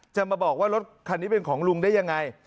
จะมาบอกว่ารถคันนี้เป็นของลุงได้ยังไง